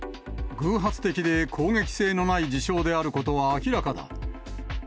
偶発的で攻撃性のない事象であることは明らかだ。